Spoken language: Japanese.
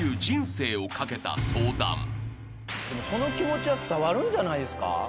人生を懸けた相談］でもその気持ちは伝わるんじゃないですか？